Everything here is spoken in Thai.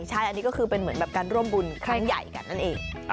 ใช่อันนี้ก็คือเป็นเหมือนแบบการร่วมบุญครั้งใหญ่กันนั่นเอง